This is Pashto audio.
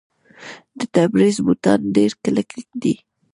د تبریز بوټان ډیر کلک دي.